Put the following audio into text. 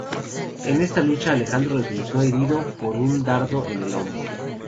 En esta lucha, Alejandro resultó herido por un dardo en el hombro.